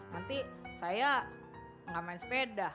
nanti saya nggak main sepeda